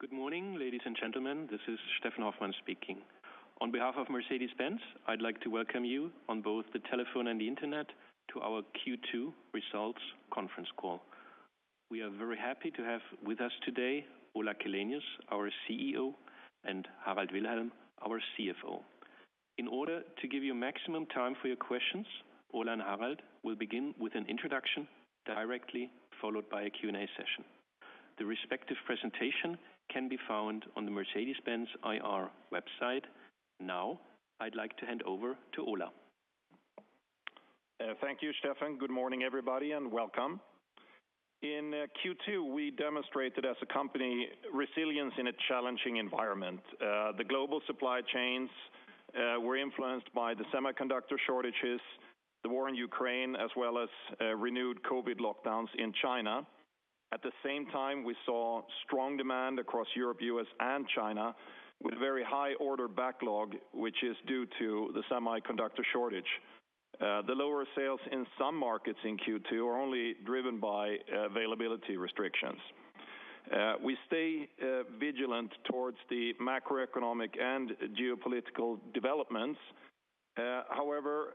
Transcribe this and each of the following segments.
Good morning, ladies and gentlemen. This is Steffen Hoffmann speaking. On behalf of Mercedes-Benz, I'd like to welcome you on both the telephone and the Internet to our Q2 results conference call. We are very happy to have with us today Ola Källenius, our CEO, and Harald Wilhelm, our CFO. In order to give you maximum time for your questions, Ola and Harald will begin with an introduction directly followed by a Q&A session. The respective presentation can be found on the Mercedes-Benz IR website. Now, I'd like to hand over to Ola. Thank you, Steffen. Good morning, everybody, and welcome. In Q2, we demonstrated as a company resilience in a challenging environment. The global supply chains were influenced by the semiconductor shortages, the war in Ukraine, as well as renewed COVID lockdowns in China. At the same time, we saw strong demand across Europe, U.S., and China with very high order backlog, which is due to the semiconductor shortage. The lower sales in some markets in Q2 are only driven by availability restrictions. We stay vigilant towards the macroeconomic and geopolitical developments. However,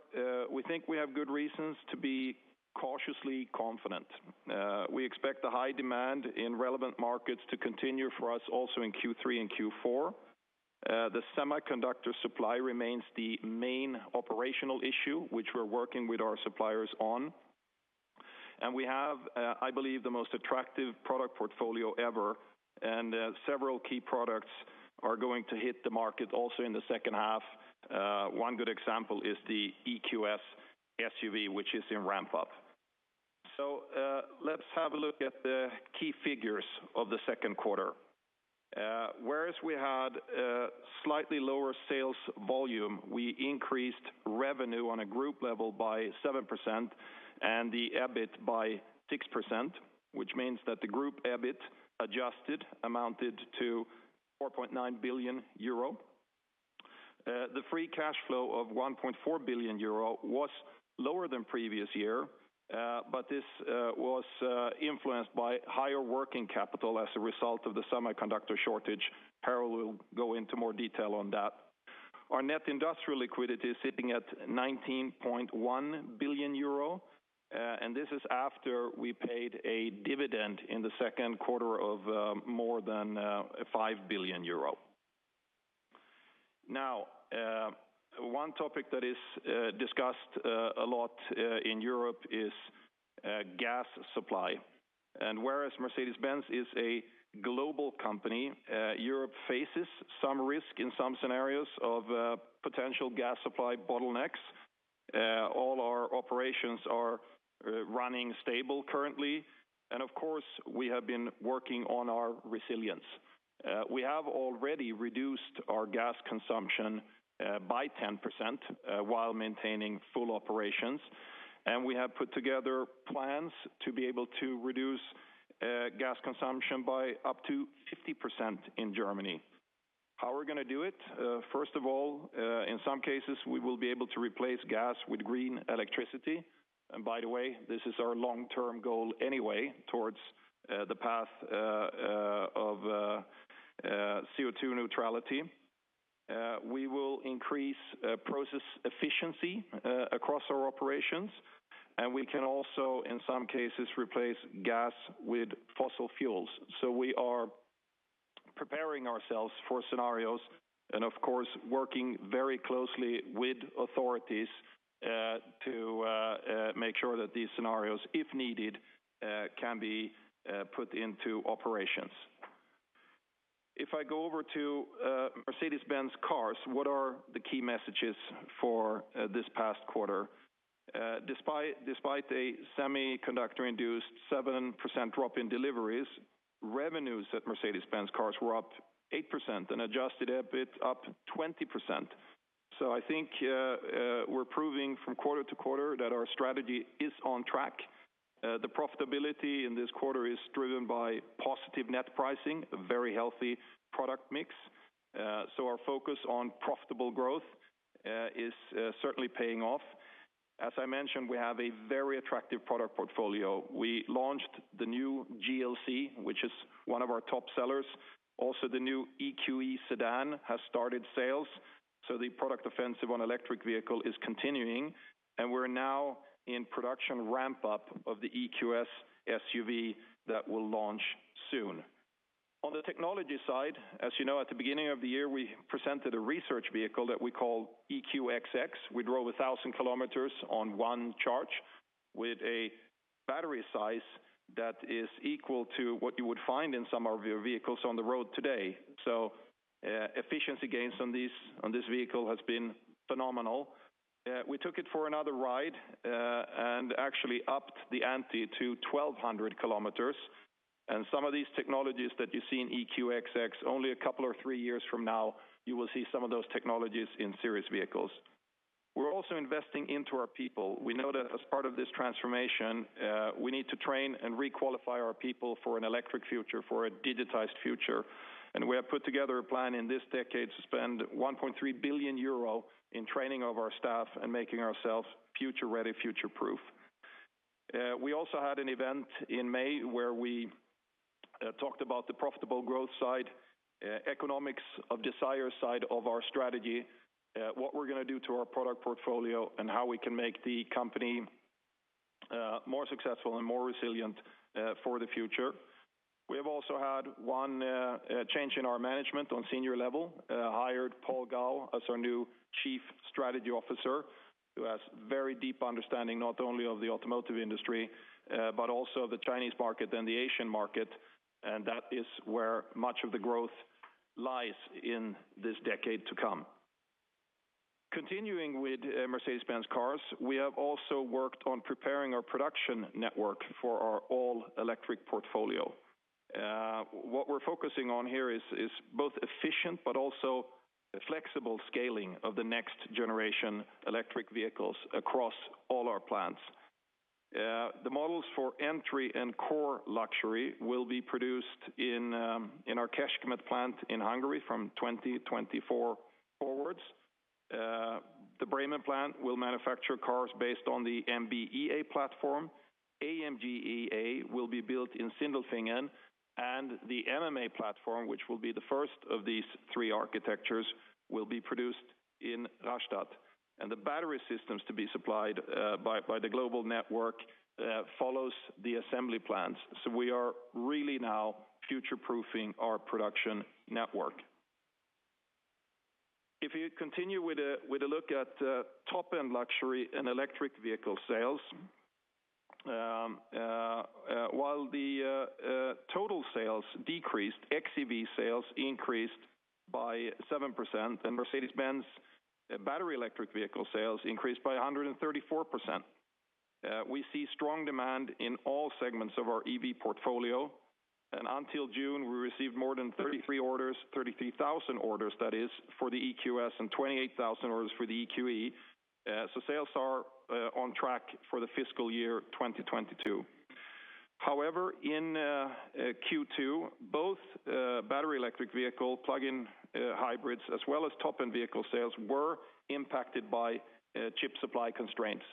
we think we have good reasons to be cautiously confident. We expect the high demand in relevant markets to continue for us also in Q3 and Q4. The semiconductor supply remains the main operational issue, which we're working with our suppliers on. We have, I believe, the most attractive product portfolio ever, and several key products are going to hit the market also in the second half. One good example is the EQS SUV, which is in ramp up. Let's have a look at the key figures of the second quarter. Whereas we had slightly lower sales volume, we increased revenue on a group level by 7% and the EBIT by 6%, which means that the group EBIT adjusted amounted to 4.9 billion euro. The free cash flow of 1.4 billion euro was lower than previous year, but this was influenced by higher working capital as a result of the semiconductor shortage. Harald will go into more detail on that. Our net industrial liquidity is sitting at 19.1 billion euro, and this is after we paid a dividend in the second quarter of more than 5 billion euro. Now, one topic that is discussed a lot in Europe is gas supply. Whereas Mercedes-Benz is a global company, Europe faces some risk in some scenarios of potential gas supply bottlenecks. All our operations are running stable currently. Of course, we have been working on our resilience. We have already reduced our gas consumption by 10% while maintaining full operations, and we have put together plans to be able to reduce gas consumption by up to 50% in Germany. How are we gonna do it? First of all, in some cases, we will be able to replace gas with green electricity. By the way, this is our long-term goal anyway towards the path of CO2 neutrality. We will increase process efficiency across our operations, and we can also, in some cases, replace gas with fossil fuels. We are preparing ourselves for scenarios and of course, working very closely with authorities to make sure that these scenarios, if needed, can be put into operations. If I go over to Mercedes-Benz Cars, what are the key messages for this past quarter? Despite a semiconductor-induced 7% drop in deliveries, revenues at Mercedes-Benz Cars were up 8% and adjusted EBIT up 20%. I think we're proving from quarter to quarter that our strategy is on track. The profitability in this quarter is driven by positive net pricing, a very healthy product mix. Our focus on profitable growth is certainly paying off. As I mentioned, we have a very attractive product portfolio. We launched the new GLC, which is one of our top sellers. Also, the new EQE sedan has started sales, so the product offensive on electric vehicle is continuing, and we're now in production ramp-up of the EQS SUV that will launch soon. On the technology side, as you know, at the beginning of the year, we presented a research vehicle that we call EQXX, which drove 1,000 km on one charge with a battery size that is equal to what you would find in some of your vehicles on the road today. Efficiency gains on this vehicle has been phenomenal. We took it for another ride and actually upped the ante to 1,200 km. Some of these technologies that you see in EQXX, only a couple or three years from now, you will see some of those technologies in serious vehicles. We're also investing into our people. We know that as part of this transformation, we need to train and re-qualify our people for an electric future, for a digitized future. We have put together a plan in this decade to spend 1.3 billion euro in training of our staff and making ourselves future-ready, future-proof. We also had an event in May where we talked about the profitable growth side, economics of desire side of our strategy, what we're gonna do to our product portfolio, and how we can make the company more successful and more resilient for the future. We have also had one change in our management on senior level. Hired Paul Gao as our new Chief Strategy Officer, who has very deep understanding not only of the automotive industry, but also the Chinese market and the Asian market, and that is where much of the growth lies in this decade to come. Continuing with Mercedes-Benz Cars, we have also worked on preparing our production network for our all-electric portfolio. What we're focusing on here is both efficient, but also flexible scaling of the next generation electric vehicles across all our plants. The models for entry and core luxury will be produced in our Kecskemét plant in Hungary from 2024 forwards. The Bremen plant will manufacture cars based on the MB.EA platform. AMG.EA will be built in Sindelfingen. The MMA platform, which will be the first of these three architectures, will be produced in Rastatt. The battery systems to be supplied by the global network follows the assembly plans. We are really now future-proofing our production network. If you continue with a look at top-end luxury and electric vehicle sales, while the total sales decreased, xEV sales increased by 7%, and Mercedes-Benz battery electric vehicle sales increased by 134%. We see strong demand in all segments of our EV portfolio. Until June, we received more than 33,000 orders, that is, for the EQS and 28,000 orders for the EQE. Sales are on track for the fiscal year 2022. However, in Q2, both battery electric vehicle plug-in hybrids, as well as top-end vehicle sales were impacted by chip supply constraints.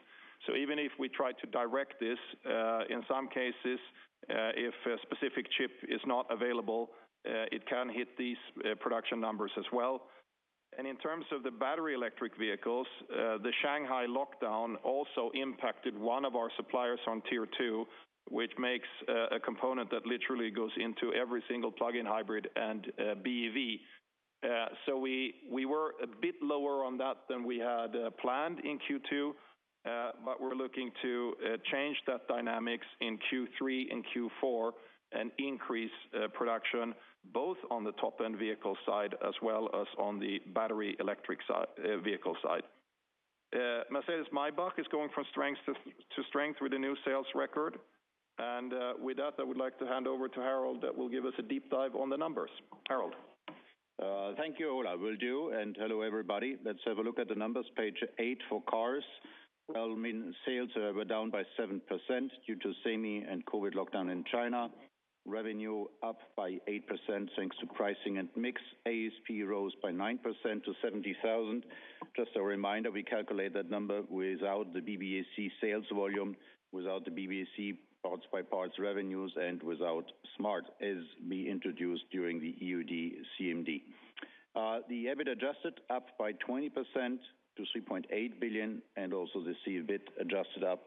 Even if we try to direct this, in some cases, if a specific chip is not available, it can hit these production numbers as well. In terms of the battery electric vehicles, the Shanghai lockdown also impacted one of our suppliers on tier two, which makes a component that literally goes into every single plug-in hybrid and BEV. We were a bit lower on that than we had planned in Q2, but we're looking to change that dynamics in Q3 and Q4 and increase production, both on the top-end vehicle side as well as on the battery electric side, vehicle side. Mercedes-Maybach is going from strength to strength with a new sales record. With that, I would like to hand over to Harald, that will give us a deep dive on the numbers. Harald? Thank you, Ola. Will do. Hello, everybody. Let's have a look at the numbers, page eight for cars. Well, I mean, sales were down by 7% due to semi and COVID lockdown in China. Revenue up by 8% thanks to pricing and mix. ASP rose by 9% to 70,000. Just a reminder, we calculate that number without the BBAC sales volume, without the BBAC parts-by-parts revenues, and without Smart, as we introduced during our CMD. The EBIT adjusted up by 20% to 3.8 billion, and also the EBIT adjusted up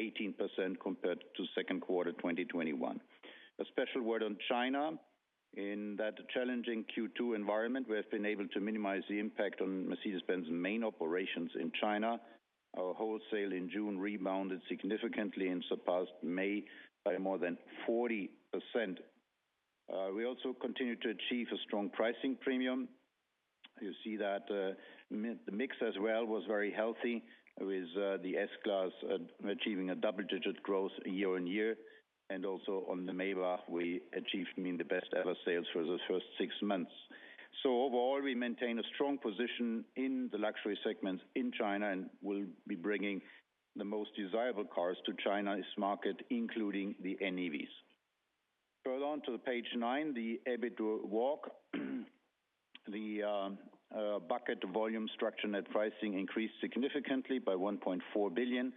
18% compared to second quarter 2021. A special word on China. In that challenging Q2 environment, we have been able to minimize the impact on Mercedes-Benz main operations in China. Our wholesale in June rebounded significantly and surpassed May by more than 40%. We also continue to achieve a strong pricing premium. You see that, the mix as well was very healthy, with the S-Class achieving a double-digit growth year-on-year, and also on the Maybach, we achieved, I mean, the best-ever sales for the first six months. Overall, we maintain a strong position in the luxury segment in China, and we'll be bringing the most desirable cars to China's market, including the NEVs. Further on to page nine, the EBIT walk. The bucket volume structure net pricing increased significantly by 1.4 billion.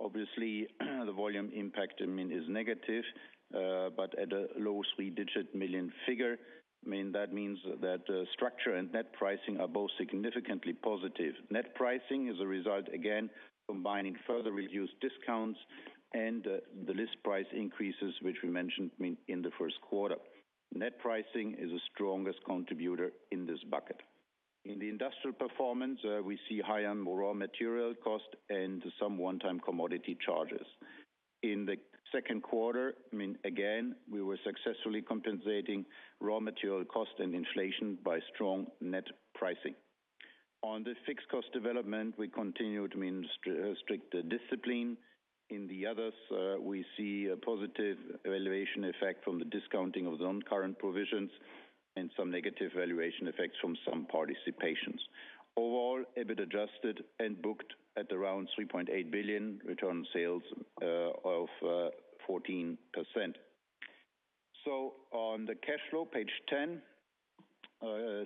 Obviously, the volume impact, I mean, is negative, but at a low three-digit million figure, I mean, that means that structure and net pricing are both significantly positive. Net pricing is a result, again, combining further reduced discounts and the list price increases, which we mentioned, I mean, in the first quarter. Net pricing is the strongest contributor in this bucket. In the industrial performance, we see higher raw material costs and some one-time commodity charges. In the second quarter, I mean, again, we were successfully compensating raw material costs and inflation by strong net pricing. On the fixed cost development, we continue to I mean strict discipline. In the others, we see a positive valuation effect from the discounting of the non-current provisions and some negative valuation effects from some participations. Overall, EBIT adjusted and booked at around 3.8 billion, return on sales of 14%. On the cash flow, page 10,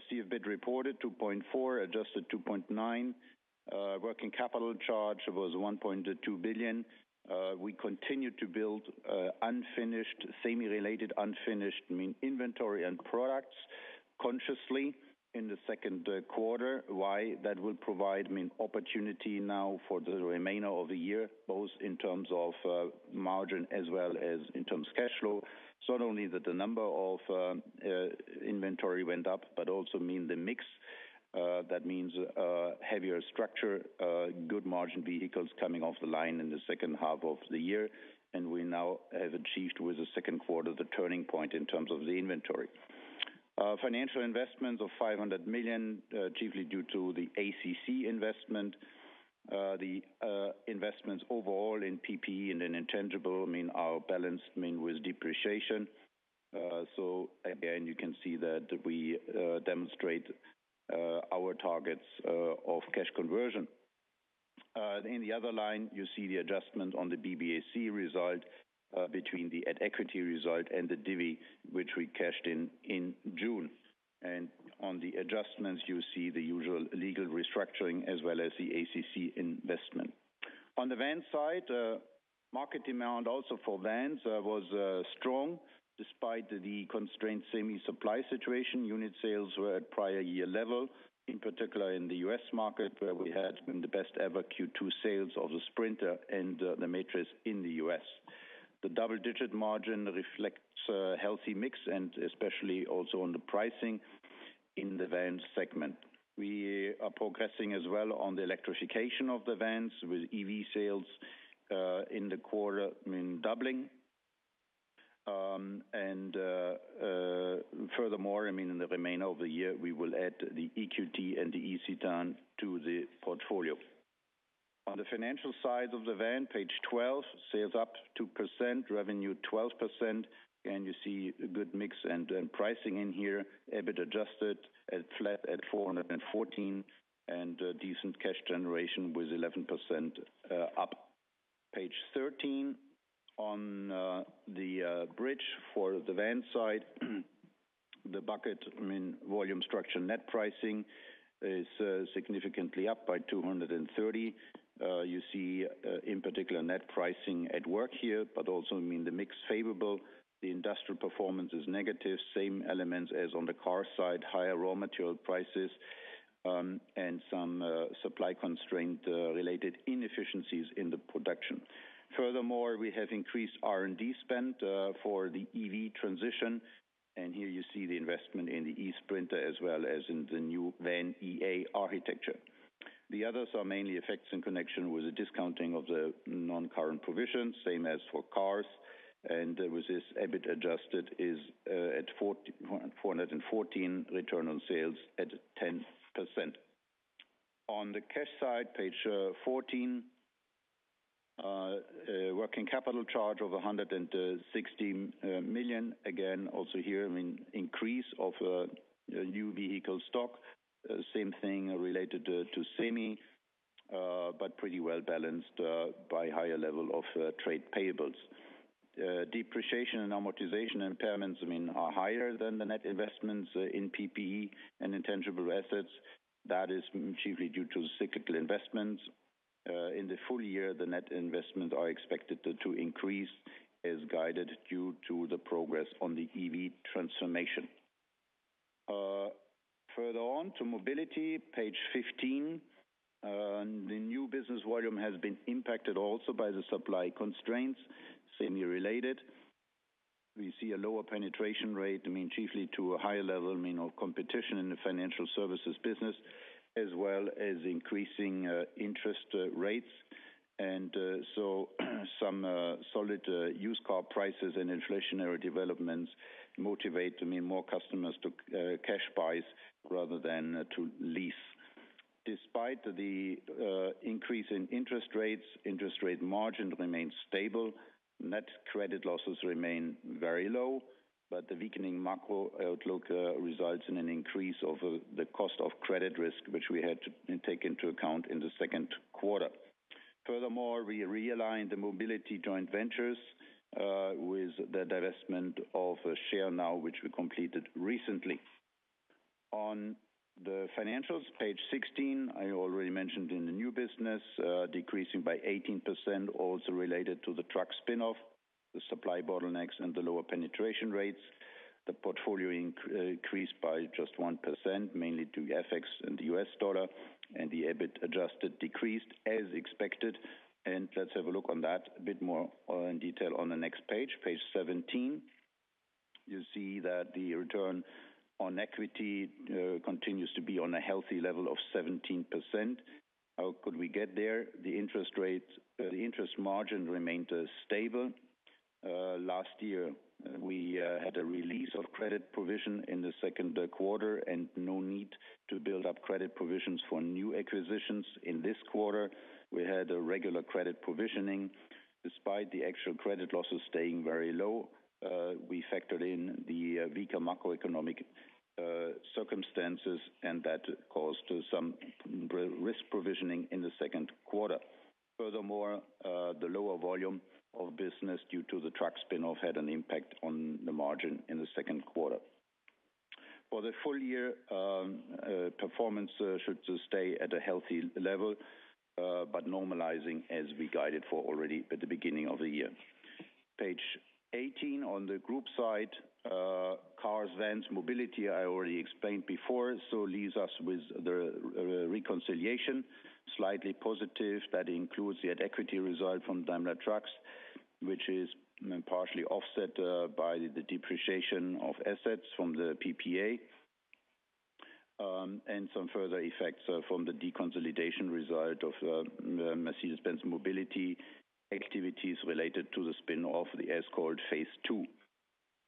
see it reported 2.4 billion, adjusted 2.9 billion. Working capital charge was 1.2 billion. We continued to build unfinished semi-finished inventory and products consciously in the second quarter. Why? That will provide opportunity now for the remainder of the year, both in terms of margin as well as in terms of cash flow. Not only that the number of inventory went up, but also, meaning the mix, that means higher structured good margin vehicles coming off the line in the second half of the year. We now have achieved, with the second quarter, the turning point in terms of the inventory. Financial investments of 500 million, chiefly due to the ACC investment. The investments overall in PPE and in intangibles are balanced with depreciation. Again, you can see that we demonstrate our targets of cash conversion. In the other line, you see the adjustment on the BBAC result between the at equity result and the divi, which we cashed in in June. On the adjustments, you see the usual legal restructuring as well as the ACC investment. On the van side, market demand also for vans was strong despite the constrained semi supply situation. Unit sales were at prior year level, in particular in the U.S. market, where we had the best ever Q2 sales of the Sprinter and the Metris in the U.S. The double-digit margin reflects a healthy mix and especially also on the pricing in the van segment. We are progressing as well on the electrification of the vans with EV sales in the quarter, I mean, doubling. Furthermore, I mean, in the remainder of the year, we will add the EQT and the eCitan to the portfolio. On the financial side of the van, page 12, sales up 2%, revenue 12%, and you see a good mix and pricing in here. EBIT adjusted flat at 414, and decent cash generation 11% up. Page 13 on the bridge for the van side. The buckets, I mean, volume, structure, net pricing is significantly up by 230. You see, in particular, net pricing at work here, but also, I mean, the mix favorable. The industrial performance is negative, same elements as on the car side, higher raw material prices, and some supply constraint related inefficiencies in the production. Furthermore, we have increased R&D spend for the EV transition, and here you see the investment in the eSprinter as well as in the new VAN.EA architecture. The others are mainly effects in connection with the discounting of the non-current provisions, same as for cars. With this, EBIT adjusted is at 4,414 million, return on sales at 10%. On the cash side, page 14, working capital charge of 160 million. Again, also here, I mean, increase of new vehicle stock. Same thing related to semi, but pretty well balanced by higher level of trade payables. Depreciation and amortization impairments, I mean, are higher than the net investments in PPE and intangible assets. That is chiefly due to cyclical investments. In the full year, the net investments are expected to increase as guided due to the progress on the EV transformation. Further on to mobility, page 15, the new business volume has been impacted also by the supply constraints, semi-related. We see a lower penetration rate, I mean, due to a higher level, I mean, of competition in the financial services business as well as increasing interest rates. Some solid used car prices and inflationary developments motivate, I mean, more customers to cash buys rather than to lease. Despite the increase in interest rates, interest rate margin remains stable. Net credit losses remain very low, but the weakening macro outlook results in an increase of the cost of credit risk, which we had to take into account in the second quarter. Furthermore, we realigned the mobility joint ventures with the divestment of Share Now, which we completed recently. On the financials, page 16, I already mentioned in the new business decreasing by 18%, also related to the truck spin-off, the supply bottlenecks and the lower penetration rates. The portfolio increased by just 1%, mainly due to FX and the U.S. dollar, and the adjusted EBIT decreased as expected. Let's have a look on that a bit more in detail on the next page 17. You see that the return on equity continues to be on a healthy level of 17%. How could we get there? The interest rates, the interest margin remained stable. Last year, we had a release of credit provision in the second quarter and no need to build up credit provisions for new acquisitions. In this quarter, we had a regular credit provisioning. Despite the actual credit losses staying very low, we factored in the weaker macroeconomic circumstances and that caused some risk provisioning in the second quarter. Furthermore, the lower volume of business due to the truck spin-off had an impact on the margin in the second quarter. For the full year, performance should stay at a healthy level, but normalizing as we guided for already at the beginning of the year. Page 18 on the group side, cars, vans, mobility, I already explained before, so leaves us with the reconciliation. Slightly positive. That includes the at equity result from Daimler Truck, which is partially offset by the depreciation of assets from the PPA. Some further effects from the deconsolidation result of Mercedes-Benz Mobility activities related to the spin-off of the S-Class phase two.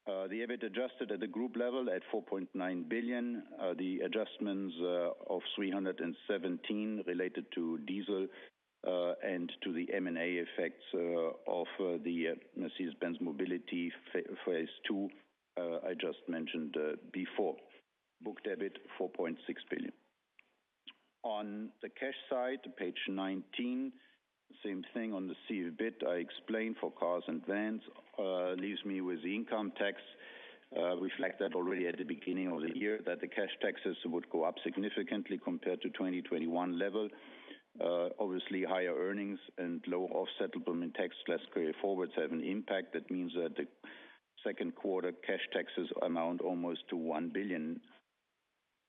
The EBIT adjusted at the group level at 4.9 billion. The adjustments of 317 related to diesel and to the M&A effects of the Mercedes-Benz Mobility phase two I just mentioned before. Net debt, 4.6 billion. On the cash side, page 19, same thing on the EBIT I explained for cars and vans leaves me with the income tax reflected already at the beginning of the year that the cash taxes would go up significantly compared to 2021 level. Obviously, higher earnings and lower offset settlement tax, less carryforwards have an impact. That means that the second quarter cash taxes amount almost to 1 billion.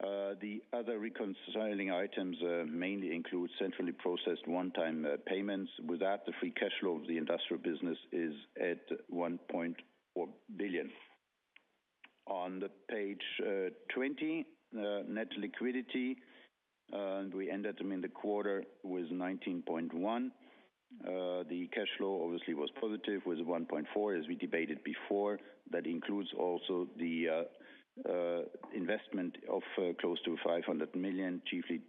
The other reconciling items mainly include centrally processed one-time payments. Without, the free cash flow of the industrial business is at 1.4 billion. On page 20, net liquidity, and we ended the quarter with 19.1 billion. The cash flow obviously was positive with 1.4 billion, as we debated before. That includes also the investment of close to 500 million, chiefly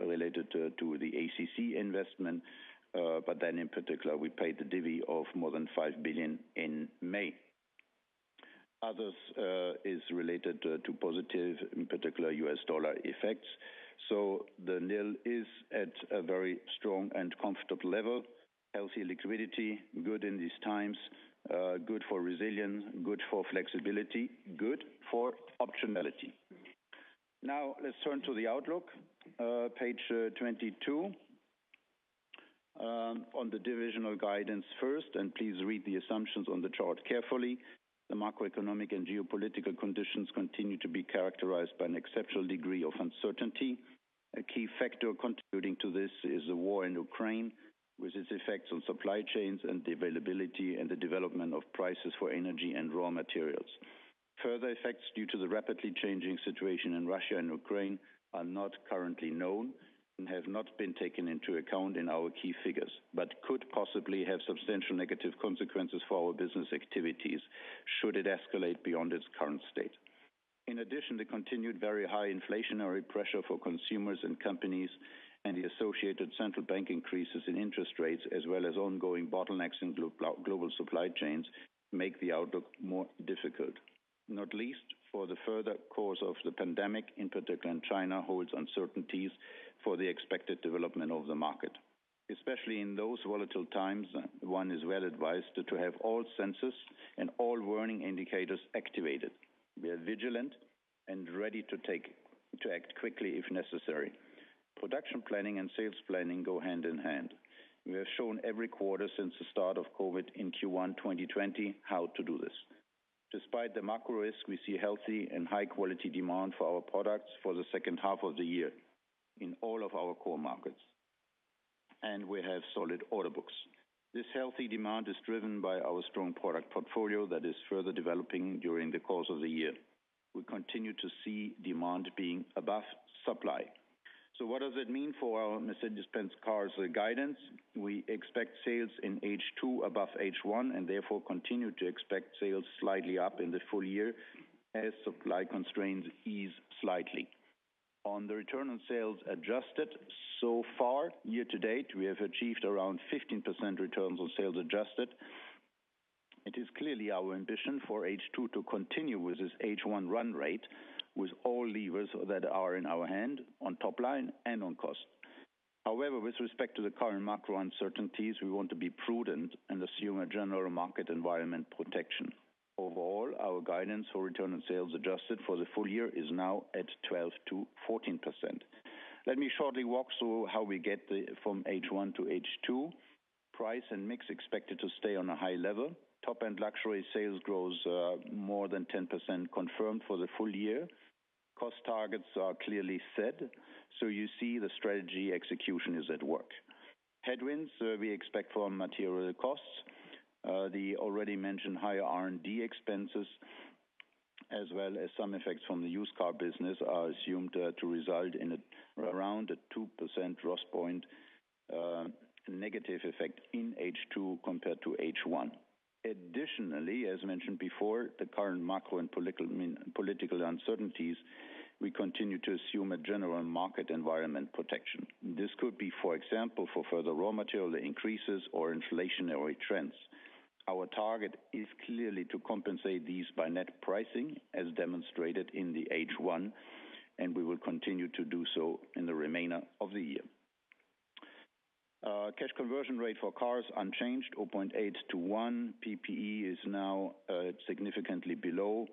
related to the ACC investment. In particular, we paid the dividend of more than 5 billion in May. Others is related to positive, in particular U.S. dollar effects. The NIL is at a very strong and comfortable level. Healthy liquidity, good in these times, good for resilience, good for flexibility, good for optionality. Now, let's turn to the outlook. Page 22. On the divisional guidance first, please read the assumptions on the chart carefully. The macroeconomic and geopolitical conditions continue to be characterized by an exceptional degree of uncertainty. A key factor contributing to this is the war in Ukraine, with its effects on supply chains and the availability and the development of prices for energy and raw materials. Further effects due to the rapidly changing situation in Russia and Ukraine are not currently known, and have not been taken into account in our key figures, but could possibly have substantial negative consequences for our business activities should it escalate beyond its current state. In addition, the continued very high inflationary pressure for consumers and companies and the associated central bank increases in interest rates, as well as ongoing bottlenecks in global supply chains, make the outlook more difficult. Not least, for the further course of the pandemic, in particular in China, holds uncertainties for the expected development of the market. Especially in those volatile times, one is well advised to have all senses and all warning indicators activated. We are vigilant and ready to act quickly if necessary. Production planning and sales planning go hand in hand. We have shown every quarter since the start of COVID in Q1 2020 how to do this. Despite the macro risk, we see healthy and high-quality demand for our products for the second half of the year in all of our core markets, and we have solid order books. This healthy demand is driven by our strong product portfolio that is further developing during the course of the year. We continue to see demand being above supply. What does it mean for our Mercedes-Benz Cars guidance? We expect sales in H2 above H1, and therefore continue to expect sales slightly up in the full year as supply constraints ease slightly. On the return on sales adjusted so far year to date, we have achieved around 15% returns on sales adjusted. It is clearly our ambition for H2 to continue with this H1 run rate with all levers that are in our hand on top line and on cost. However, with respect to the current macro uncertainties, we want to be prudent and assume a general market environment protection. Overall, our guidance for return on sales adjusted for the full year is now at 12%-14%. Let me shortly walk through how we get from H1 to H2. Price and mix expected to stay on a high level. Top-end luxury sales grows more than 10% confirmed for the full year. Cost targets are clearly set, so you see the strategy execution is at work. Headwinds we expect from material costs. The already mentioned higher R&D expenses, as well as some effects from the used car business, are assumed to result in around a 2% RoS point negative effect in H2 compared to H1. Additionally, as mentioned before, the current macro and political uncertainties, we continue to assume a general market environment deterioration. This could be, for example, further raw material increases or inflationary trends. Our target is clearly to compensate these by net pricing, as demonstrated in the H1, and we will continue to do so in the remainder of the year. Cash conversion rate for cars unchanged, 0.8-1. PPE is now significantly below,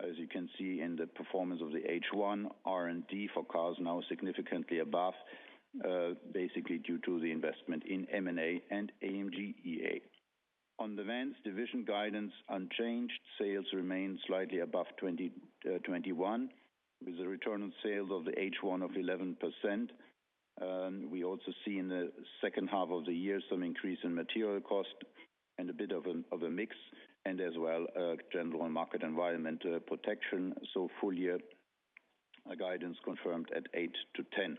as you can see in the performance of the H1. R&D for cars now significantly above, basically due to the investment in M&A and AMG.EA. On the vans division guidance unchanged, sales remain slightly above 21, with a return on sales of the H1 of 11%. We also see in the second half of the year some increase in material cost and a bit of a mix and as well a general market environment protection. Full year guidance confirmed at 8%-10%.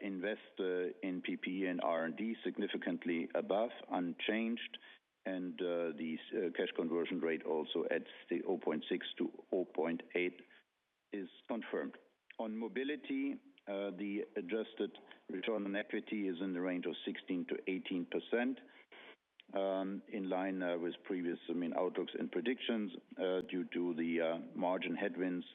Investment in PPE and R&D significantly above, unchanged, and the cash conversion rate also at 0.6-0.8 is confirmed. On mobility, the adjusted return on equity is in the range of 16%-18%, in line with previous, I mean, outlooks and predictions, due to the margin headwinds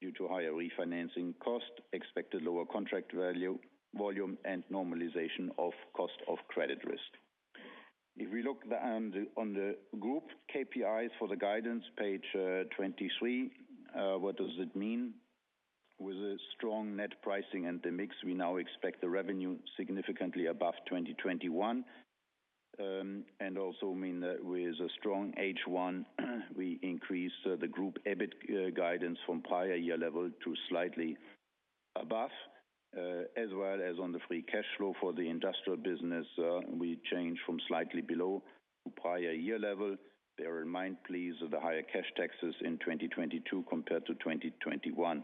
due to higher refinancing cost, expected lower contract value, volume, and normalization of cost of credit risk. If we look at the group KPIs for the guidance, page 23, what does it mean? With a strong net pricing and the mix, we now expect the revenue significantly above 2021, and that also means with a strong H1, we increase the group EBIT guidance from prior year level to slightly above. As well as on the free cash flow for the industrial business, we change from slightly below to prior year level. Bear in mind, please, the higher cash taxes in 2022 compared to 2021.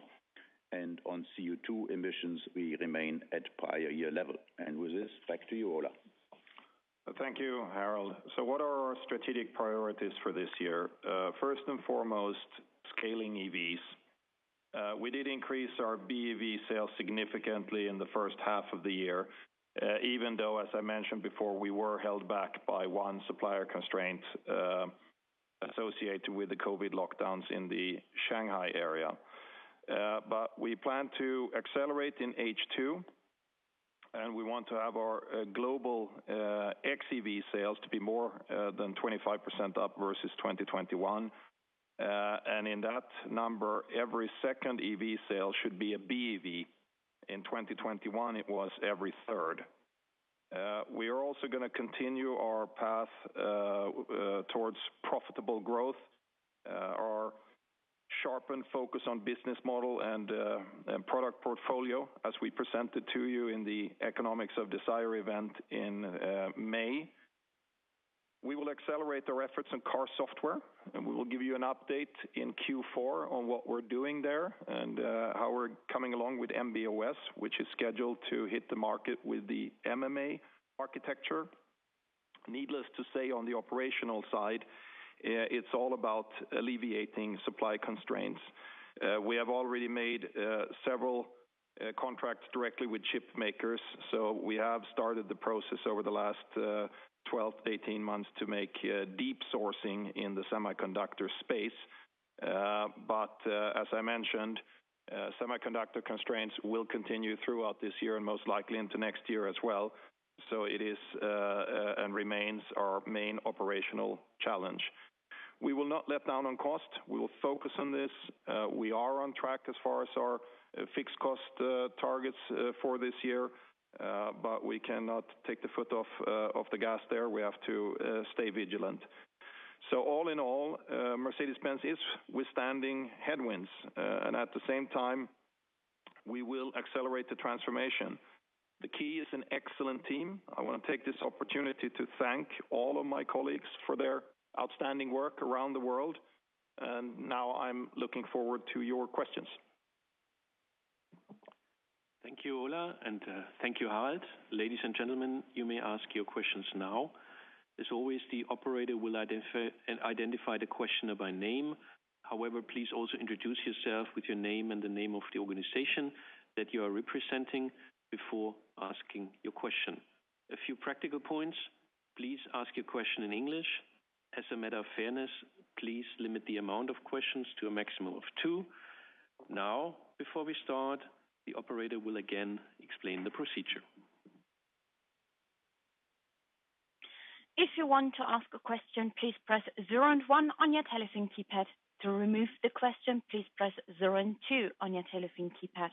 On CO2 emissions, we remain at prior year level. With this, back to you, Ola. Thank you, Harald. What are our strategic priorities for this year? First and foremost, scaling EVs. We did increase our BEV sales significantly in the first half of the year, even though, as I mentioned before, we were held back by one supplier constraint associated with the COVID lockdowns in the Shanghai area. We plan to accelerate in H2, and we want to have our global XEV sales to be more than 25% up versus 2021. In that number, every second EV sale should be a BEV. In 2021, it was every third. We are also gonna continue our path towards profitable growth, our sharpened focus on business model and product portfolio, as we presented to you in the Economics of Desire event in May. We will accelerate our efforts in car software, and we will give you an update in Q4 on what we're doing there and how we're coming along with MB.OS, which is scheduled to hit the market with the MMA architecture. Needless to say, on the operational side, it's all about alleviating supply constraints. We have already made several contracts directly with chip makers, so we have started the process over the last 12-18 months to make deep sourcing in the semiconductor space. As I mentioned, semiconductor constraints will continue throughout this year and most likely into next year as well, so it is and remains our main operational challenge. We will not let down on cost. We will focus on this. We are on track as far as our fixed cost targets for this year, but we cannot take the foot off of the gas there. We have to stay vigilant. All in all, Mercedes-Benz is withstanding headwinds, and at the same time, we will accelerate the transformation. The key is an excellent team. I wanna take this opportunity to thank all of my colleagues for their outstanding work around the world, and now I'm looking forward to your questions. Thank you, Ola, and thank you, Harald. Ladies and gentlemen, you may ask your questions now. As always, the operator will identify the questioner by name. However, please also introduce yourself with your name and the name of the organization that you are representing before asking your question. A few practical points. Please ask your question in English. As a matter of fairness, please limit the amount of questions to a maximum of two. Now, before we start, the operator will again explain the procedure. If you want to ask a question, please press zero and one on your telephone keypad. To remove the question, please press zero and two on your telephone keypad.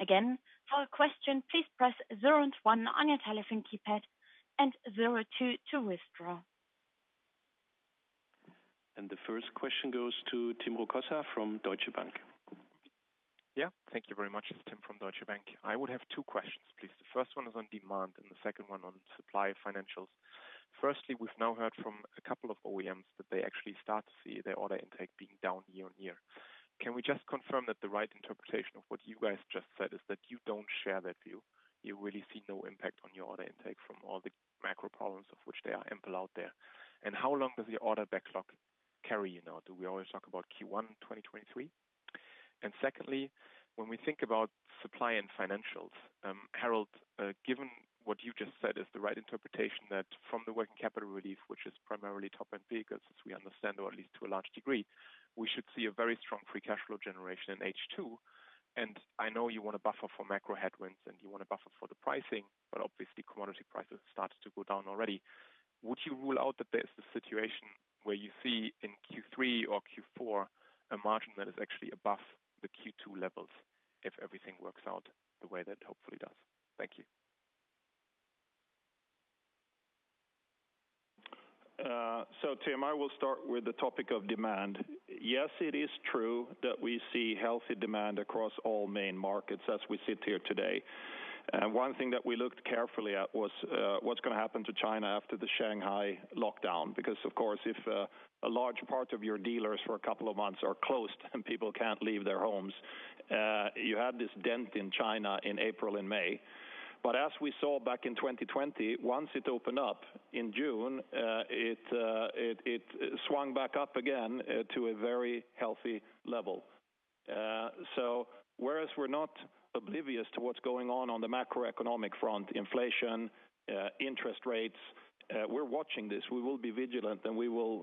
Again, for a question, please press zero and one on your telephone keypad and zero two to withdraw. The first question goes to Tim Rokossa from Deutsche Bank. Yeah. Thank you very much. It's Tim from Deutsche Bank. I would have two questions, please. The first one is on demand and the second one on supply financials. Firstly, we've now heard from a couple of OEMs that they actually start to see their order intake being down year-on-year. Can we just confirm that the right interpretation of what you guys just said is that you don't share that view? You really see no impact on your order intake from all the macro problems of which there are ample out there. How long does the order backlog carry you now? Do we always talk about Q1 2023? Secondly, when we think about supply and financials, Harald, given what you just said is the right interpretation, that from the working capital relief, which is primarily top-end vehicles, as we understand, or at least to a large degree, we should see a very strong free cash flow generation in H2. I know you want to buffer for macro headwinds, and you want to buffer for the pricing, but obviously, commodity prices have started to go down already. Would you rule out that there's the situation where you see in Q3 or Q4 a margin that is actually above the Q2 levels if everything works out the way that hopefully does? Thank you. Tim, I will start with the topic of demand. Yes, it is true that we see healthy demand across all main markets as we sit here today. One thing that we looked carefully at was what's going to happen to China after the Shanghai lockdown. Of course, if a large part of your dealers for a couple of months are closed and people can't leave their homes, you had this dent in China in April and May. But as we saw back in 2020, once it opened up in June, it swung back up again to a very healthy level. Whereas we're not oblivious to what's going on on the macroeconomic front, inflation, interest rates, we're watching this. We will be vigilant, and we will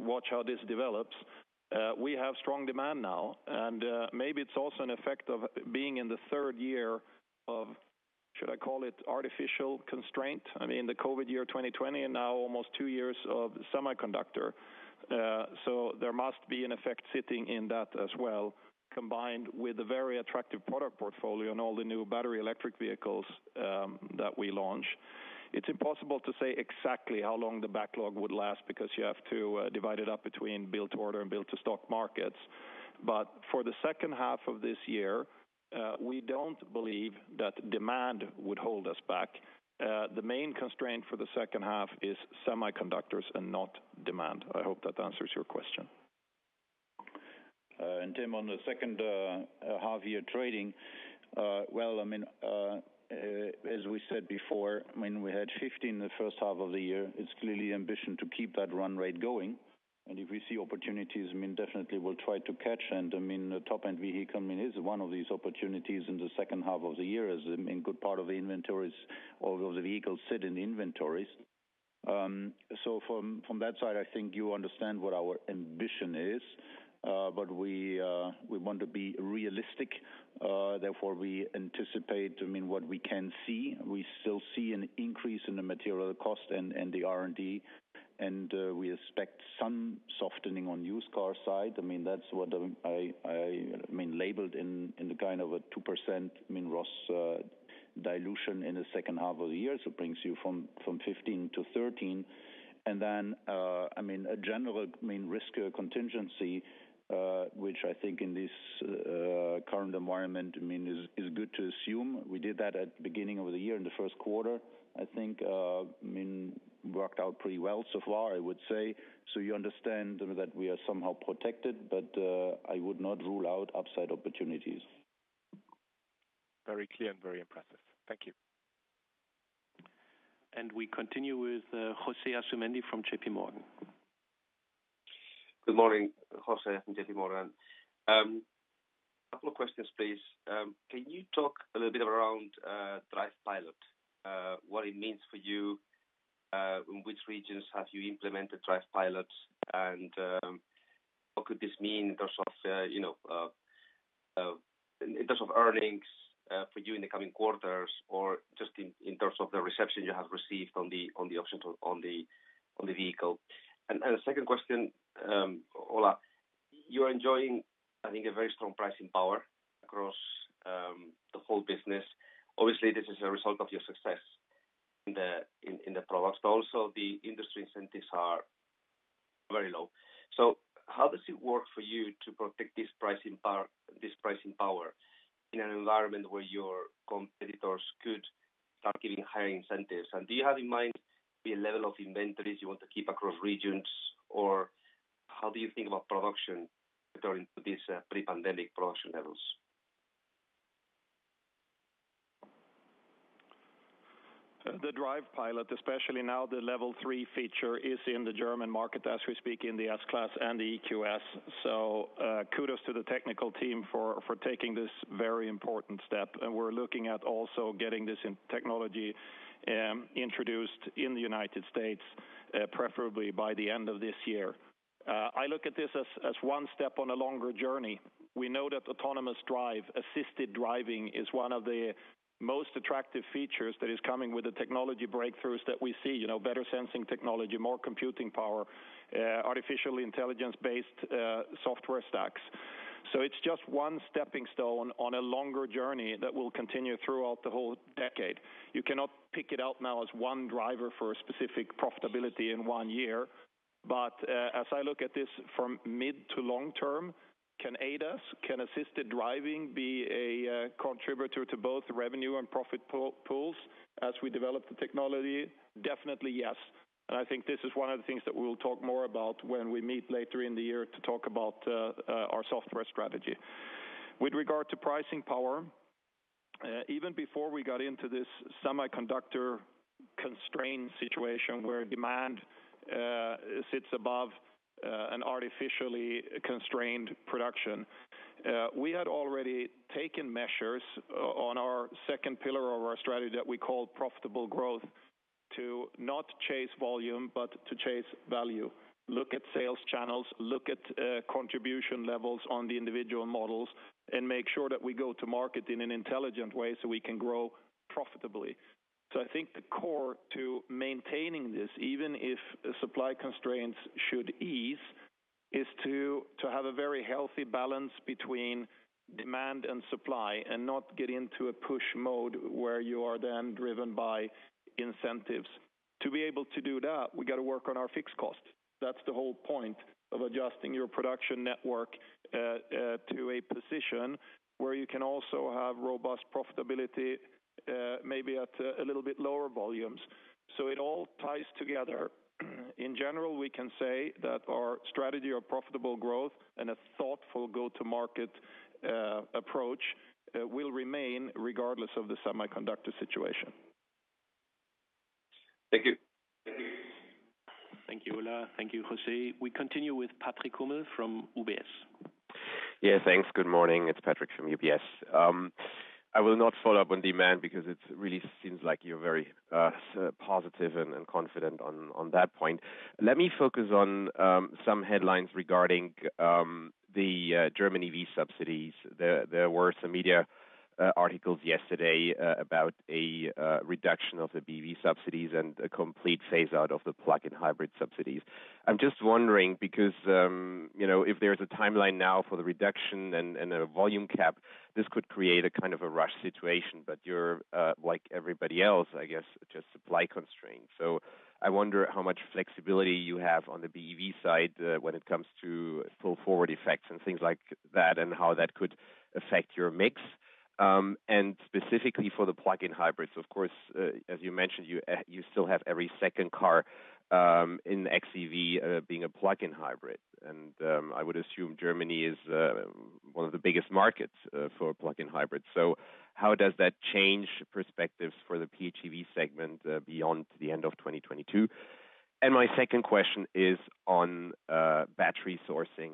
watch how this develops. We have strong demand now, and maybe it's also an effect of being in the third year of, should I call it, artificial constraint. I mean, the COVID year 2020 and now almost two years of semiconductor. So there must be an effect sitting in that as well, combined with a very attractive product portfolio and all the new battery electric vehicles that we launch. It's impossible to say exactly how long the backlog would last because you have to divide it up between build to order and build to stock markets. For the second half of this year, we don't believe that demand would hold us back. The main constraint for the second half is semiconductors and not demand. I hope that answers your question. Tim, on the second half-year trading, well, I mean, as we said before, I mean, we had 15% the first half of the year. It's clearly ambition to keep that run rate going. If we see opportunities, I mean, definitely we'll try to catch. I mean, the top-end vehicle, I mean, is one of these opportunities in the second half of the year as a meaningful part of the inventories, all of the vehicles sit in inventories. From that side, I think you understand what our ambition is, but we want to be realistic, therefore we anticipate, I mean, what we can see. We still see an increase in the material cost and the R&D, and we expect some softening on used car side. I mean, that's what I mean labeled in the kind of a 2% I mean RoS dilution in the second half of the year. It brings you from 15%-13%. Then I mean a general I mean risk contingency, which I think in this current environment I mean is good to assume. We did that at the beginning of the year in the first quarter. I think I mean worked out pretty well so far, I would say. You understand that we are somehow protected, but I would not rule out upside opportunities. Very clear and very impressive. Thank you. We continue with José Asumendi from JPMorgan. Good morning, José Asumendi from JPMorgan. A couple of questions, please. Can you talk a little bit around DRIVE PILOT, what it means for you, in which regions have you implemented DRIVE PILOTs? And what could this mean in terms of, you know, in terms of earnings, for you in the coming quarters or just in terms of the reception you have received on the option to on the vehicle? The second question, Ola Källenius, you're enjoying, I think, a very strong pricing power across the whole business. Obviously, this is a result of your success in the products, but also the industry incentives are very low. How does it work for you to protect this pricing power in an environment where your competitors could start giving higher incentives? Do you have in mind the level of inventories you want to keep across regions? How do you think about production returning to these pre-pandemic production levels? The DRIVE PILOT, especially now the Level 3 feature, is in the German market as we speak in the S-Class and the EQS. Kudos to the technical team for taking this very important step. We're looking at also getting this in technology introduced in the United States, preferably by the end of this year. I look at this as one step on a longer journey. We know that autonomous drive, assisted driving, is one of the most attractive features that is coming with the technology breakthroughs that we see, you know, better sensing technology, more computing power, artificial intelligence-based software stacks. It's just one stepping stone on a longer journey that will continue throughout the whole decade. You cannot pick it out now as one driver for a specific profitability in one year. As I look at this from mid to long term, can ADAS, assisted driving be a contributor to both revenue and profit pools as we develop the technology? Definitely, yes. I think this is one of the things that we'll talk more about when we meet later in the year to talk about our software strategy. With regard to pricing power, even before we got into this semiconductor constrained situation where demand sits above an artificially constrained production, we had already taken measures on our second pillar of our strategy that we call profitable growth, to not chase volume, but to chase value. Look at sales channels, look at contribution levels on the individual models, and make sure that we go to market in an intelligent way so we can grow profitably. I think the core to maintaining this, even if supply constraints should ease, is to have a very healthy balance between demand and supply and not get into a push mode where you are then driven by incentives. To be able to do that, we got to work on our fixed cost. That's the whole point of adjusting your production network to a position where you can also have robust profitability, maybe at a little bit lower volumes. It all ties together. In general, we can say that our strategy of profitable growth and a thoughtful go-to market approach will remain regardless of the semiconductor situation. Thank you. Thank you, Ola. Thank you, José. We continue with Patrick Hummel from UBS. Yeah, thanks. Good morning. It's Patrick from UBS. I will not follow up on demand because it really seems like you're very positive and confident on that point. Let me focus on some headlines regarding the German EV subsidies. There were some media articles yesterday about a reduction of the BEV subsidies and a complete phase out of the plug-in hybrid subsidies. I'm just wondering because you know, if there's a timeline now for the reduction and a volume cap, this could create a kind of a rush situation. You're like everybody else, I guess, just supply constrained. I wonder how much flexibility you have on the BEV side when it comes to pull forward effects and things like that, and how that could affect your mix. Specifically for the plug-in hybrids, of course, as you mentioned, you still have every second car in XEV being a plug-in hybrid. I would assume Germany is one of the biggest markets for plug-in hybrids. How does that change perspectives for the PHEV segment beyond the end of 2022? My second question is on battery sourcing.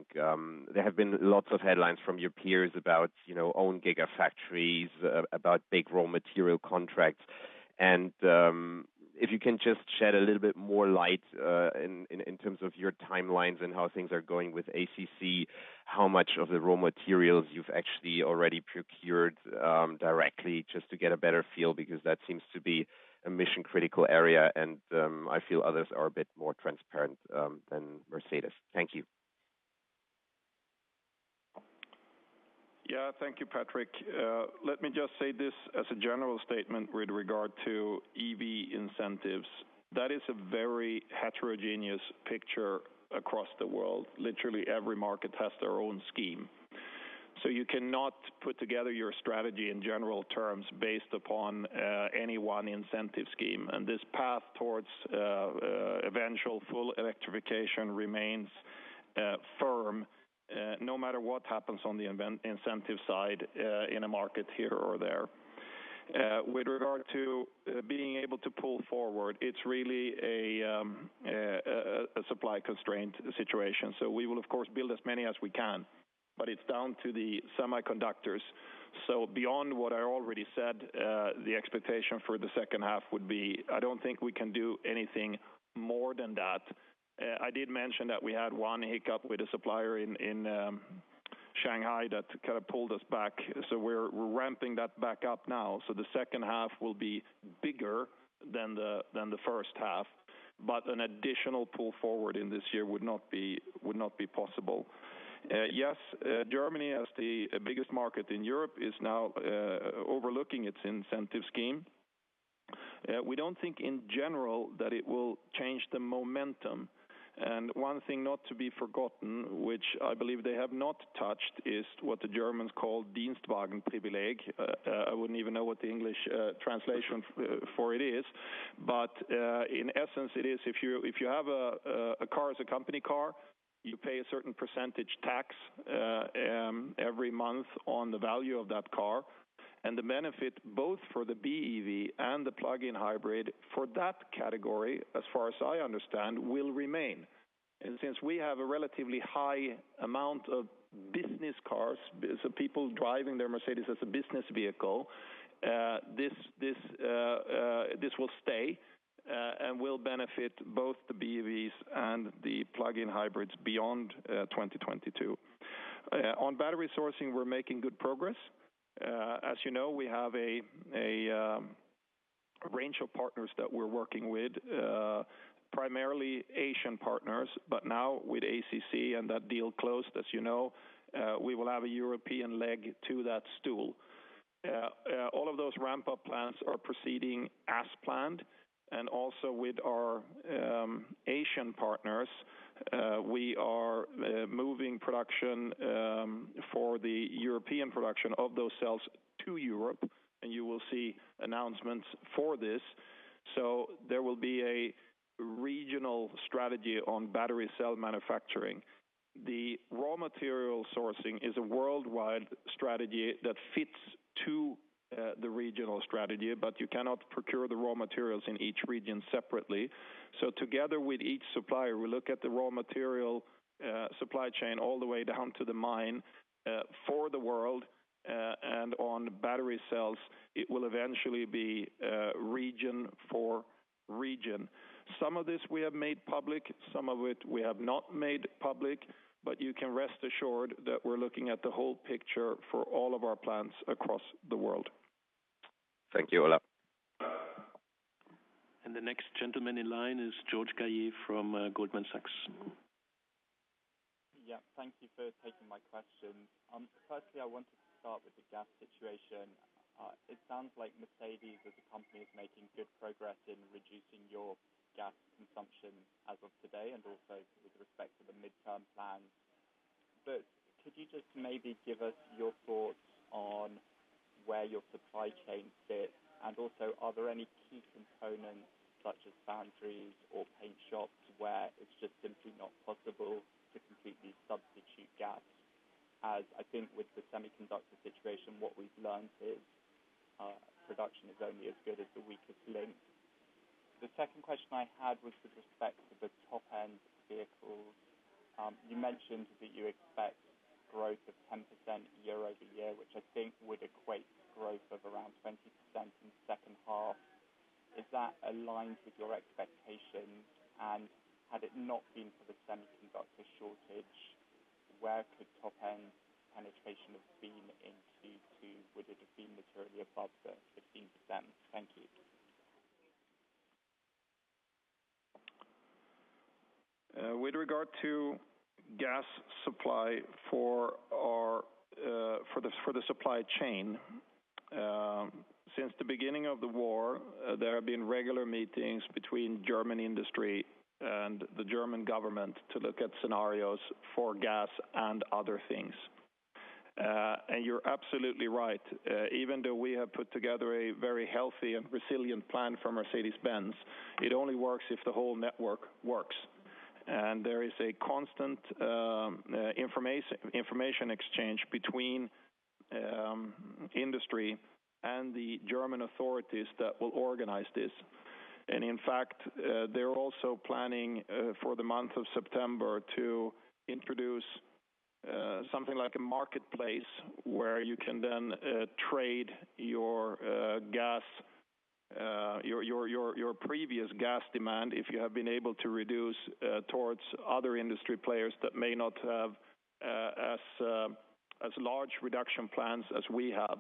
There have been lots of headlines from your peers about, you know, own gigafactories about big raw material contracts. If you can just shed a little bit more light, in terms of your timelines and how things are going with ACC, how much of the raw materials you've actually already procured, directly, just to get a better feel, because that seems to be a mission-critical area, and I feel others are a bit more transparent than Mercedes. Thank you. Yeah. Thank you, Patrick. Let me just say this as a general statement with regard to EV incentives. That is a very heterogeneous picture across the world. Literally every market has their own scheme. You cannot put together your strategy in general terms based upon any one incentive scheme. This path towards eventual full electrification remains firm, no matter what happens on the incentive side, in a market here or there. With regard to being able to pull forward, it's really a supply constraint situation. We will of course build as many as we can, but it's down to the semiconductors. Beyond what I already said, the expectation for the second half would be, I don't think we can do anything more than that. I did mention that we had one hiccup with a supplier in Shanghai that kind of pulled us back. We're ramping that back up now. The second half will be bigger than the first half. An additional pull forward in this year would not be possible. Germany, as the biggest market in Europe, is now overlooking its incentive scheme. We don't think in general that it will change the momentum. One thing not to be forgotten, which I believe they have not touched, is what the Germans call Dienstwagenprivileg. I wouldn't even know what the English translation for it is. In essence, it is if you have a car as a company car, you pay a certain percentage tax every month on the value of that car. The benefit both for the BEV and the plug-in hybrid for that category, as far as I understand, will remain. Since we have a relatively high amount of business cars, so people driving their Mercedes as a business vehicle, this will stay and will benefit both the BEVs and the plug-in hybrids beyond 2022. On battery sourcing, we're making good progress. As you know, we have a range of partners that we're working with, primarily Asian partners. Now with ACC and that deal closed, as you know, we will have a European leg to that stool. All of those ramp-up plans are proceeding as planned. With our Asian partners we are moving production for the European production of those cells to Europe, and you will see announcements for this. There will be a regional strategy on battery cell manufacturing. The raw material sourcing is a worldwide strategy that fits to the regional strategy, but you cannot procure the raw materials in each region separately. Together with each supplier, we look at the raw material supply chain all the way down to the mine for the world, and on battery cells, it will eventually be region for region. Some of this we have made public, some of it we have not made public, but you can rest assured that we're looking at the whole picture for all of our plants across the world. Thank you, Ola. The next gentleman in line is George Galliers from Goldman Sachs. Yeah. Thank you for taking my question. Firstly, I wanted to start with the gas situation. It sounds like Mercedes as a company is making good progress in reducing your gas consumption as of today and also with respect to the midterm plan. Could you just maybe give us your thoughts on where your supply chain sits? Are there any key components such as foundries or paint shops where it's just simply not possible to completely substitute gas? I think with the semiconductor situation, what we've learned is production is only as good as the weakest link. The second question I had was with respect to the top-end vehicles. You mentioned that you expect growth of 10% year-over-year, which I think would equate growth of around 20% in the second half. Is that aligned with your expectations? Had it not been for the semiconductor shortage, where could top-end penetration have been in Q2? Would it have been materially above the 15%? Thank you. With regard to gas supply for the supply chain, since the beginning of the war, there have been regular meetings between German industry and the German government to look at scenarios for gas and other things. You're absolutely right. Even though we have put together a very healthy and resilient plan for Mercedes-Benz, it only works if the whole network works. There is a constant information exchange between industry and the German authorities that will organize this. In fact, they're also planning for the month of September to introduce something like a marketplace where you can then trade your gas, your previous gas demand, if you have been able to reduce towards other industry players that may not have as large reduction plans as we have.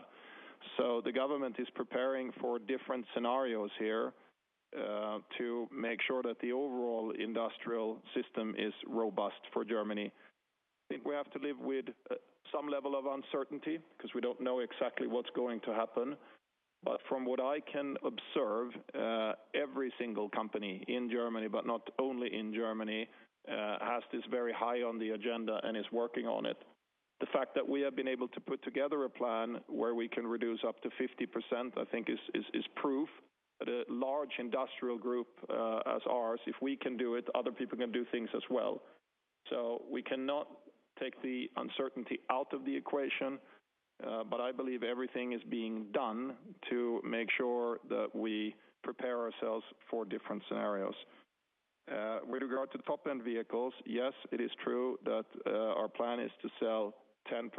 The government is preparing for different scenarios here to make sure that the overall industrial system is robust for Germany. I think we have to live with some level of uncertainty because we don't know exactly what's going to happen. From what I can observe, every single company in Germany, but not only in Germany, has this very high on the agenda and is working on it. The fact that we have been able to put together a plan where we can reduce up to 50%, I think is proof that a large industrial group, as ours, if we can do it, other people can do things as well. We cannot take the uncertainty out of the equation, but I believe everything is being done to make sure that we prepare ourselves for different scenarios. With regard to top-end vehicles, yes, it is true that our plan is to sell 10%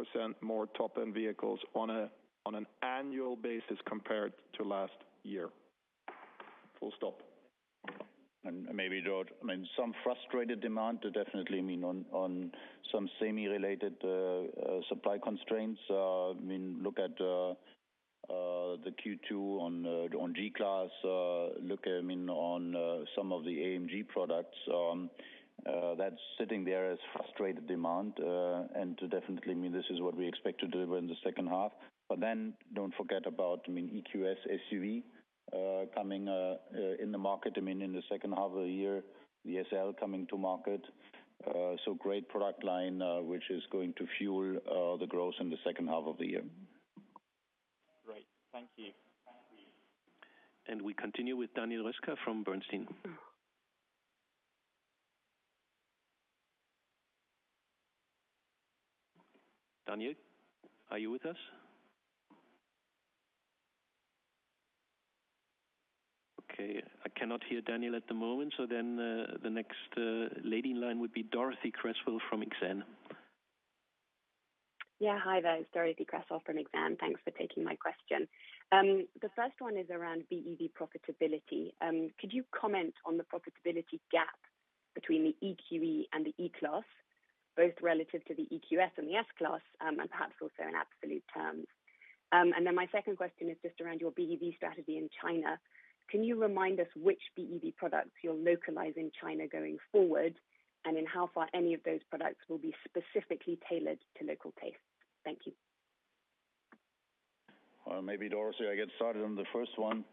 more top-end vehicles on an annual basis compared to last year. Full stop. Maybe, George, I mean, some frustrated demand, definitely, I mean, on some semiconductor-related supply constraints, I mean, look at the Q2 on G-Class, I mean, on some of the Mercedes-AMG products, that's sitting there as frustrated demand, and that definitely means this is what we expect to deliver in the second half. Don't forget about, I mean, EQS SUV coming in the market, I mean, in the second half of the year, the SL coming to market. Great product line, which is going to fuel the growth in the second half of the year. Great. Thank you. We continue with Daniel Roeska from Bernstein. Daniel, are you with us? Okay. I cannot hear Daniel at the moment. The next lady in line would be Dorothee Cresswell from Exane. Yeah. Hi there. It's Dorothee Cresswell from Exane. Thanks for taking my question. The first one is around BEV profitability. Could you comment on the profitability gap between the EQE and the E-Class, both relative to the EQS and the S-Class, and perhaps also in absolute terms? My second question is just around your BEV strategy in China. Can you remind us which BEV products you'll localize in China going forward, and in how far any of those products will be specifically tailored to local tastes? Thank you. Maybe Dorothee here, I get started on the first one.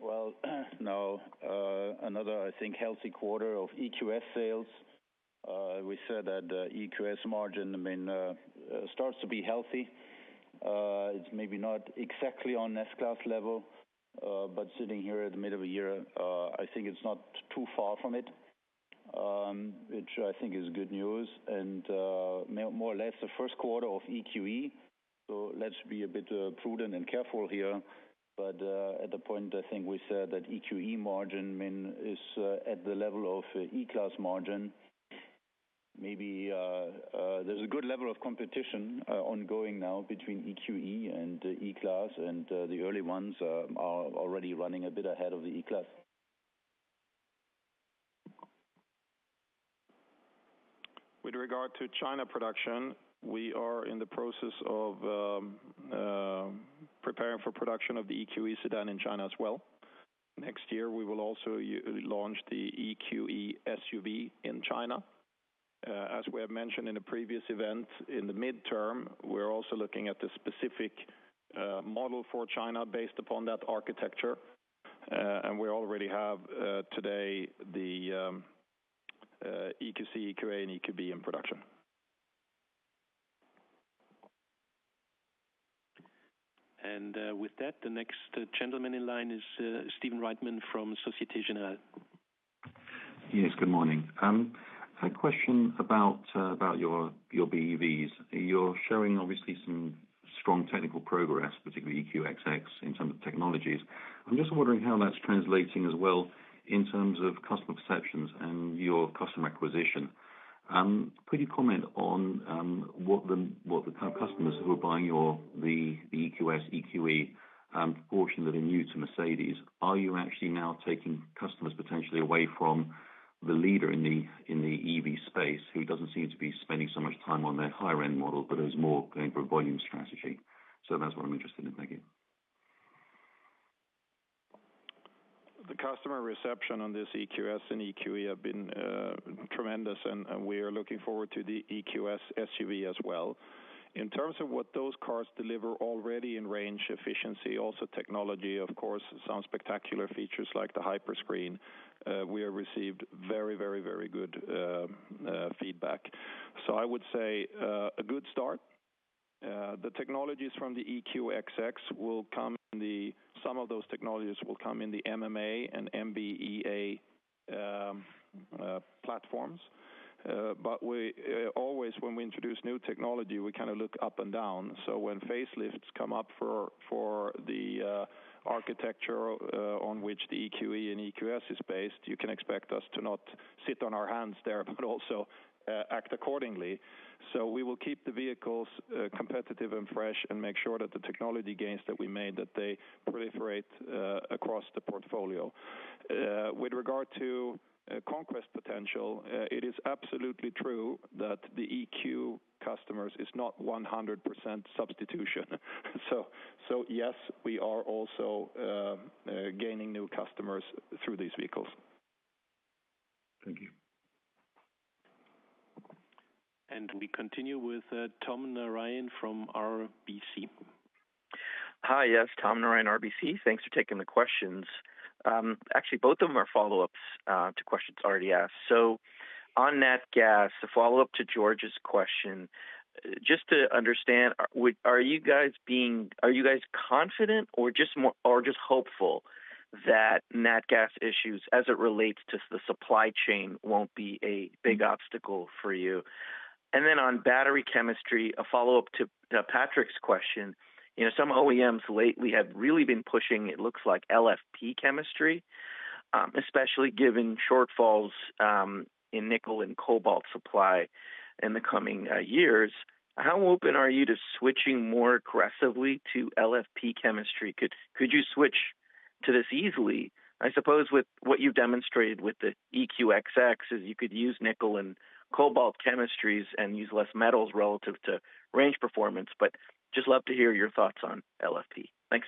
Well, now, another, I think, healthy quarter of EQS sales. We said that EQS margin, I mean, starts to be healthy. It's maybe not exactly on S-Class level, but sitting here at the middle of the year, I think it's not too far from it, which I think is good news. More or less the first quarter of EQE, so let's be a bit prudent and careful here, but at the point, I think we said that EQE margin, I mean, is at the level of E-Class margin. Maybe there's a good level of competition ongoing now between EQE and the E-Class, and the early ones are already running a bit ahead of the E-Class. With regard to China production, we are in the process of preparing for production of the EQE sedan in China as well. Next year, we will also launch the EQE SUV in China. As we have mentioned in a previous event, in the midterm, we're also looking at the specific model for China based upon that architecture. We already have today the EQC, EQA, and EQB in production. With that, the next gentleman in line is Stephen Reitman from Société Générale. Yes, good morning. A question about your BEVs. You're showing obviously some strong technical progress, particularly EQXX, in terms of technologies. I'm just wondering how that's translating as well in terms of customer perceptions and your customer acquisition. Could you comment on what the customers who are buying your EQS, EQE portion that are new to Mercedes are you actually now taking customers potentially away from the leader in the EV space, who doesn't seem to be spending so much time on their higher-end model, but is more going for a volume strategy? That's what I'm interested in. Thank you. The customer reception on this EQS and EQE have been tremendous, and we are looking forward to the EQS SUV as well. In terms of what those cars deliver already in range, efficiency, also technology, of course, some spectacular features like the Hyperscreen, we have received very good feedback. I would say a good start. Some of those technologies will come in the MMA and MB.EA platforms. But we always, when we introduce new technology, we kind of look up and down. When facelifts come up for the architecture on which the EQE and EQS is based, you can expect us to not sit on our hands there, but also act accordingly. We will keep the vehicles competitive and fresh and make sure that the technology gains that we made that they proliferate across the portfolio. With regard to conquest potential, it is absolutely true that the EQ customers is not 100% substitution. Yes, we are also gaining new customers through these vehicles. Thank you. We continue with Tom Narayan from RBC. Hi. Yes, Tom Narayan, RBC. Thanks for taking the questions. Actually, both of them are follow-ups to questions already asked. On nat gas, a follow-up to George's question. Just to understand, are you guys confident or just more, or just hopeful that nat gas issues, as it relates to the supply chain, won't be a big obstacle for you? And then on battery chemistry, a follow-up to Patrick's question. You know, some OEMs lately have really been pushing, it looks like LFP chemistry, especially given shortfalls in nickel and cobalt supply in the coming years. How open are you to switching more aggressively to LFP chemistry? Could you switch to this easily? I suppose with what you've demonstrated with the EQXX is you could use nickel and cobalt chemistries and use less metals relative to range performance, but just love to hear your thoughts on LFP. Thanks.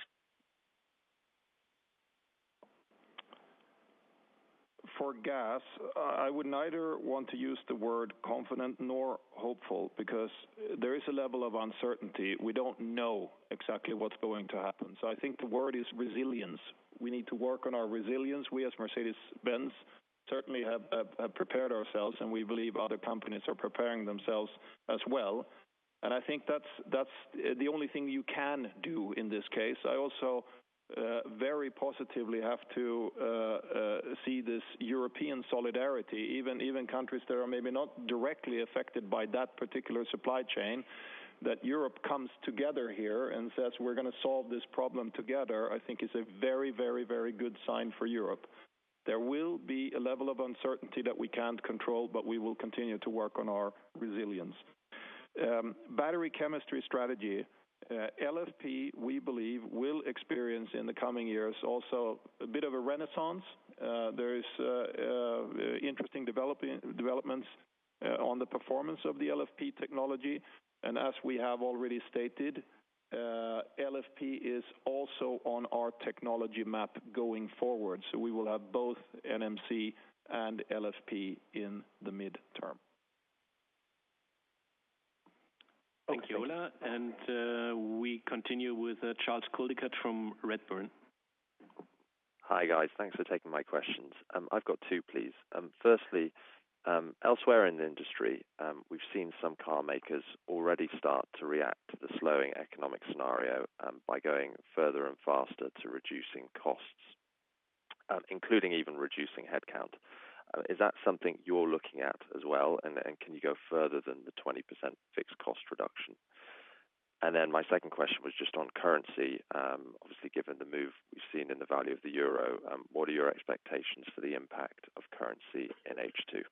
For gas, I would neither want to use the word confident nor hopeful because there is a level of uncertainty. We don't know exactly what's going to happen. I think the word is resilience. We need to work on our resilience. We, as Mercedes-Benz, certainly have prepared ourselves, and we believe other companies are preparing themselves as well. I think that's the only thing you can do in this case. I also very positively have to see this European solidarity, even countries that are maybe not directly affected by that particular supply chain, that Europe comes together here and says, "We're gonna solve this problem together," I think is a very good sign for Europe. There will be a level of uncertainty that we can't control, but we will continue to work on our resilience. Battery chemistry strategy, LFP, we believe, will experience in the coming years also a bit of a renaissance. There is interesting developments on the performance of the LFP technology. As we have already stated, LFP is also on our technology map going forward. We will have both NMC and LFP in the midterm. Thank you, Ola. We continue with Charles Coldicott from Redburn. Hi guys. Thanks for taking my questions. I've got two, please. Firstly, elsewhere in the industry, we've seen some car makers already start to react to the slowing economic scenario, by going further and faster to reducing costs, including even reducing headcount. Is that something you're looking at as well? Can you go further than the 20% fixed cost reduction? My second question was just on currency. Obviously, given the move we've seen in the value of the euro, what are your expectations for the impact of currency in H2?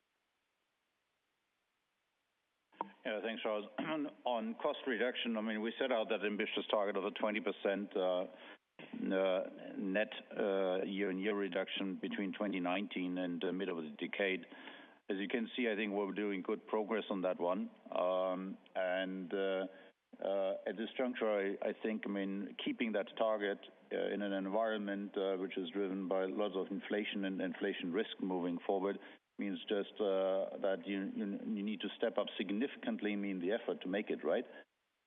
Yeah. Thanks, Charles Coldicott. On cost reduction, I mean, we set out that ambitious target of a 20% net year-on-year reduction between 2019 and the middle of the decade. As you can see, I think we're doing good progress on that one. At this juncture, I think, I mean, keeping that target in an environment which is driven by lots of inflation and inflation risk moving forward means just that you need to step up significantly, I mean, the effort to make it right.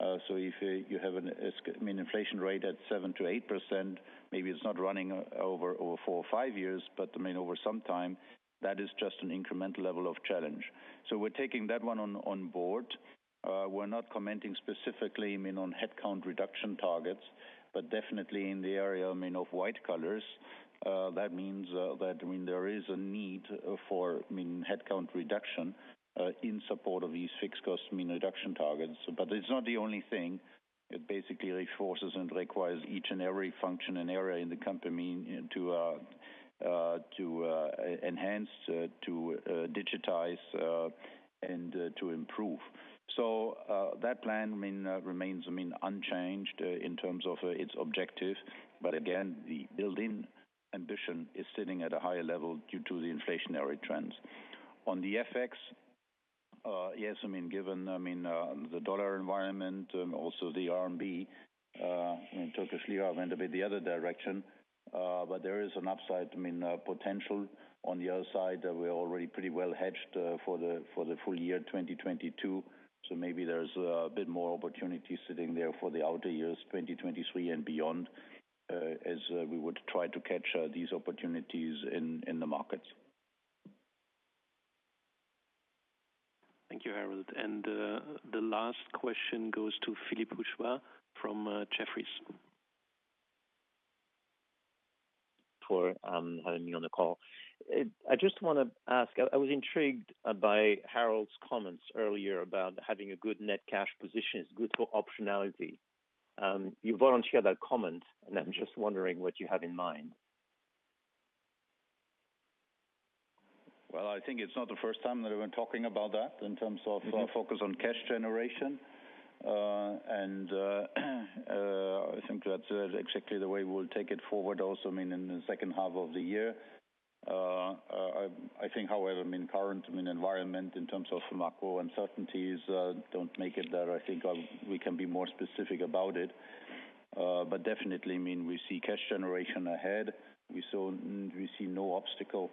If you have an inflation rate at 7%-8%, maybe it's not running over four or five years, but I mean over some time, that is just an incremental level of challenge. We're taking that one on board. We're not commenting specifically, I mean, on headcount reduction targets, but definitely in the area, I mean, of white collars, that means that when there is a need for, I mean, headcount reduction in support of these fixed cost, I mean, reduction targets. It's not the only thing. It basically reinforces and requires each and every function and area in the company, I mean, to enhance, to digitize, and to improve. That plan remains, I mean, unchanged in terms of its objective. Again, the built-in ambition is sitting at a higher level due to the inflationary trends. On the FX, yes, I mean, given, I mean, the U.S. dollar environment, also the RMB and Turkish lira went a bit the other direction, but there is an upside, I mean, potential on the other side. We're already pretty well hedged for the full year 2022. Maybe there's a bit more opportunity sitting there for the outer years, 2023 and beyond, as we would try to catch these opportunities in the markets. Thank you, Harald. The last question goes to Philippe Houchois from Jefferies. For having me on the call. I just wanna ask, I was intrigued by Harald's comments earlier about having a good net cash position is good for optionality. You volunteered that comment, and I'm just wondering what you have in mind. Well, I think it's not the first time that we've been talking about that in terms of. Mm-hmm. Our focus on cash generation. I think that's exactly the way we'll take it forward also, I mean, in the second half of the year. I think, however, current environment in terms of macro uncertainties don't make it that I think we can be more specific about it. Definitely, I mean, we see cash generation ahead. We see no obstacle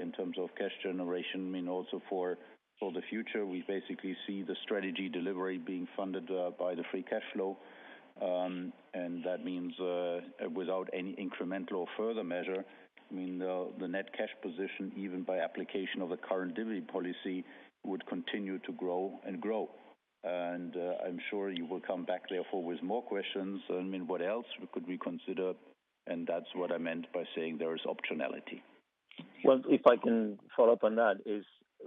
in terms of cash generation, I mean, also for the future. We basically see the strategy delivery being funded by the free cash flow. That means without any incremental or further measure, I mean, the net cash position, even by application of the current dividend policy, would continue to grow and grow. I'm sure you will come back therefore with more questions. I mean, what else could we consider? That's what I meant by saying there is optionality. Well, if I can follow up on that,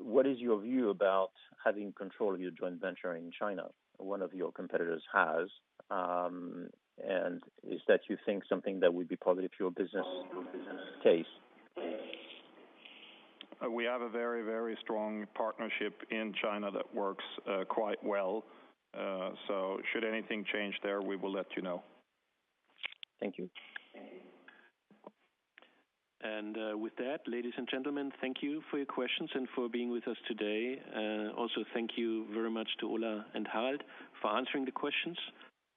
what is your view about having control of your joint venture in China? One of your competitors has, and do you think that is something that would be positive for your business case? We have a very, very strong partnership in China that works quite well. Should anything change there, we will let you know. Thank you. With that, ladies and gentlemen, thank you for your questions and for being with us today. Also, thank you very much to Ola and Harald for answering the questions.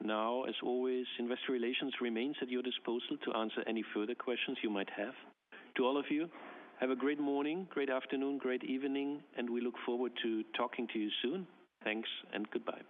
Now, as always, Investor Relations remains at your disposal to answer any further questions you might have. To all of you, have a great morning, great afternoon, great evening, and we look forward to talking to you soon. Thanks and goodbye.